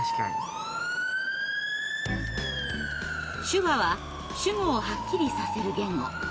手話は主語をはっきりさせる言語。